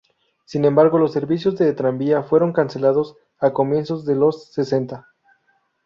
Sin embargo, los servicios de tranvía fueron cancelados a comienzos de los sesenta.